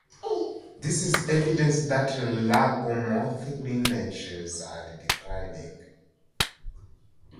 This is evidence that lagomorph lineages are declining.